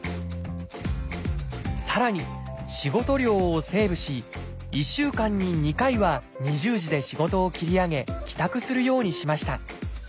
さらに仕事量をセーブし１週間に２回は２０時で仕事を切り上げ帰宅するようにしました。